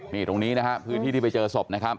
นี่ตรงนี้พื้นที่ที่ไปเจอศพ